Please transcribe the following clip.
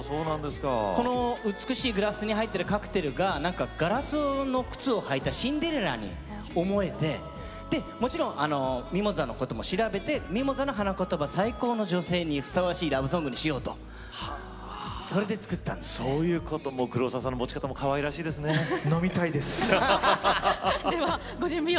この美しいグラスに入っているカクテルがガラスの靴を履いたシンデレラに思えてもちろんミモザのことも調べてミモザの花言葉最高の女性にふさわしいラブソングにしようと持ち方も飲みたいです。